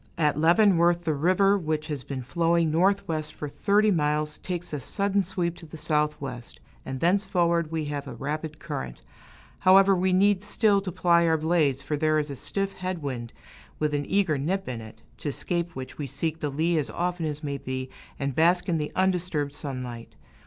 At Leavenworth, the river, which has been flowing northwest for thirty miles, takes a sudden sweep to the southwest, and thenceforward we have a rapid current. However, we need still to ply our blades, for there is a stiff head wind, with an eager nip in it, to escape which we seek the lee as often as may be, and bask in the undisturbed sunlight.